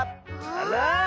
あら！